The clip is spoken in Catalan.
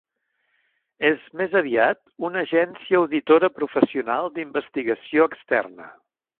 És, més aviat, una agència auditora professional d'investigació externa.